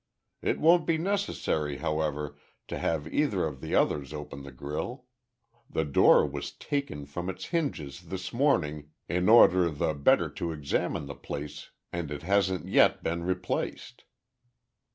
It won't be necessary, however, to have either of the others open the grille the door was taken from its hinges this morning in order the better to examine the place and it hasn't yet been replaced."